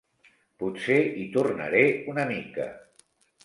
Potser hi tornaré una mica.